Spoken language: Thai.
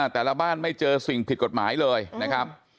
แต่ละบ้านไม่เจอสิ่งผิดกฎหมายเลยนะครับ